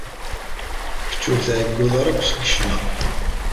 Kečč ur tɛeyyuḍ ara akk seg ccna?